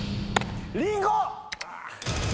りんご！